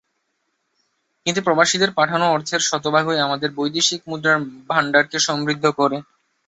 কিন্তু প্রবাসীদের পাঠানো অর্থের শতভাগই আমাদের বৈদেশিক মুদ্রার ভান্ডারকে সমৃদ্ধ করে।